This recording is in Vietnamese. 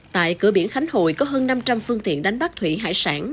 tại cửa biển khánh hội có hơn năm trăm linh phương tiện đánh bắt thủy hải sản